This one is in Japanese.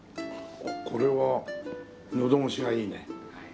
これはのどごしがいいね。